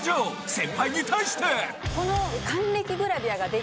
先輩に対してこの。